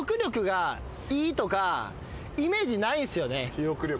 記憶力ね。